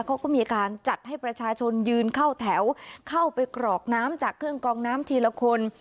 เขาก็มีการจัดให้ประชาชนยืนเข้าแถวเข้าไปกรอกน้ำจากเครื่องกองน้ำทีละคน